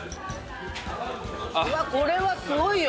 うわこれはすごいよ！